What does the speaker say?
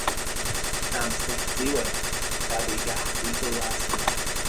Tā mēs te dzīvojam - dabīgā izolācijā.